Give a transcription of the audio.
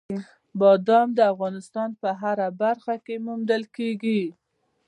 بادام د افغانستان په هره برخه کې موندل کېږي.